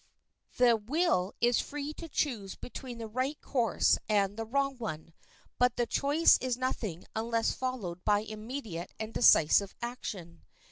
The will is free to choose between the right course and the wrong one; but the choice is nothing unless followed by immediate and decisive action.